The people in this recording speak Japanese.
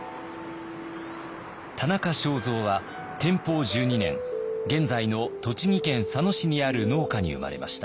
田中正造は天保１２年現在の栃木県佐野市にある農家に生まれました。